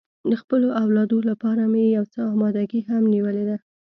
د خپلو اولادو لپاره مې یو څه اماده ګي هم نیولې ده.